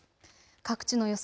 各地の予想